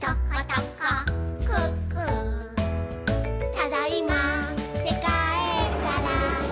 「ただいまーってかえったら」